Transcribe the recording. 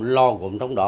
lo gốm trong đó